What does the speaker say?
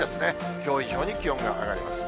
きょう以上に気温が上がります。